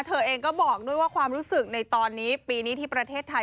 เธอเองก็บอกด้วยว่าความรู้สึกในตอนนี้ปีนี้ที่ประเทศไทย